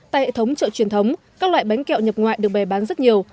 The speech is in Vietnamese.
tại hệ thống chợ truyền thống các loại bánh kẹo nhập ngoại được bày bán rất nhiều